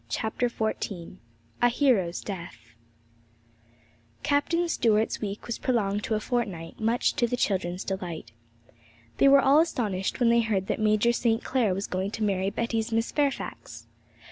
CHAPTER XIV A Hero's Death Captain Stuart's week was prolonged to a fortnight, much to the children's delight. They were all astonished when they heard that Major St. Clair was going to marry Betty's Miss Fairfax.